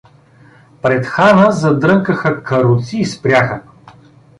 Пред хана задрънкаха каруци и спряха.